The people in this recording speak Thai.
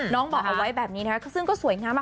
น้องบอกเอาไว้แบบนี้นะคะซึ่งก็สวยงามมาก